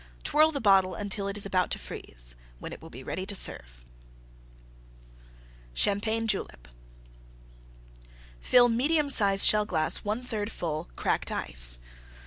Twirl the bottle until it is about to freeze, when it will be ready to serve. CHAMPAGNE JULEP Fill medium size Shell glass 1/3 full Cracked Ice.